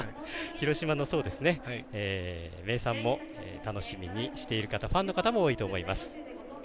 広島の名産も楽しみにしている方ファンの方も多いと思います。